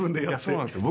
そうなんですよ